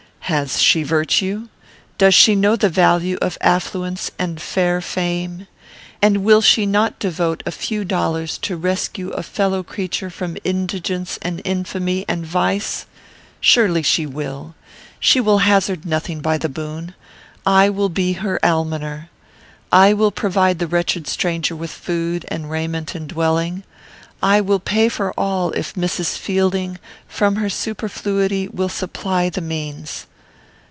"Has she virtue? Does she know the value of affluence and a fair fame? And will not she devote a few dollars to rescue a fellow creature from indigence and infamy and vice? Surely she will. She will hazard nothing by the boon. I will be her almoner. I will provide the wretched stranger with food and raiment and dwelling; I will pay for all, if Mrs. Fielding, from her superfluity, will supply the means.